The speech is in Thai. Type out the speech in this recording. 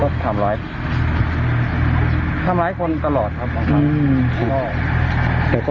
เบิร์ตลมเสียโอ้โห